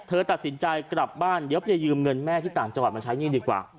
เธอตัดสินใจกลับบ้านเดี๋ยวไปยืมเงินแม่ที่ต่างจังหวัดมาใช้หนี้ดีกว่า